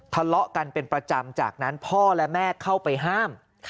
ทะเลาะกันเป็นประจำจากนั้นพ่อและแม่เข้าไปห้าม